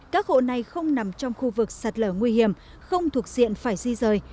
các hộ này không nằm trong khu vực sạt lở nguy hiểm không thuộc diện phải di rời